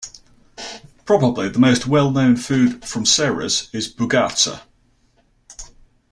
Probably the most well-known food from Serres is Bougatsa.